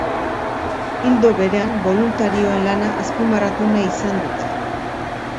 Ildo berean, boluntarioen lana azpimarratu nahi izan dute.